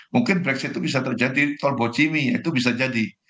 mungkin brexit itu bisa terjadi tol bocimi itu bisa jadi